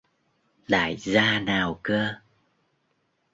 Đại gia nào cơ